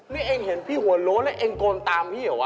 นี่เองเห็นพี่หัวโล้นแล้วเองโกนตามพี่เหรอวะ